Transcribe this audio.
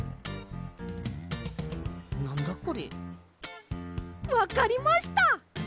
なんだこれ？わかりました！